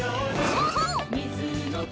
そうそう！